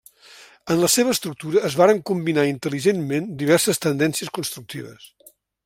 En la seva estructura es varen combinar intel·ligentment diverses tendències constructives.